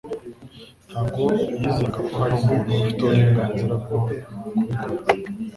Ntabwo yizeraga ko hari umuntu ufite uburenganzira bwo kubikora.